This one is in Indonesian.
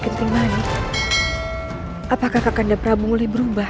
apakah kakak kanda prabu mulia berubah